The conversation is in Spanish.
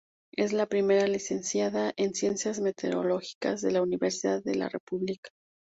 Es la primera Licenciada en Ciencias Meteorológicas de la Universidad de la República.